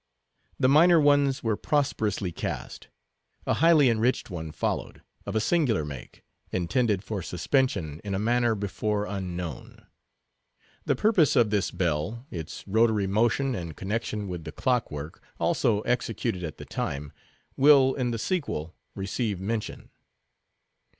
The minor ones were prosperously cast. A highly enriched one followed, of a singular make, intended for suspension in a manner before unknown. The purpose of this bell, its rotary motion, and connection with the clock work, also executed at the time, will, in the sequel, receive mention.